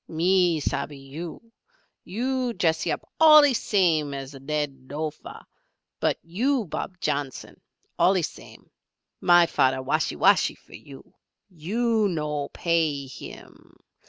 Me shabbee you! You dressee up allee same as Led Lofer but you Bob Johnson allee same. My fader washee washee for you. You no payee him.